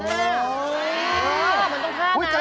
เฮ่ยเหมือนต้องท่านั้น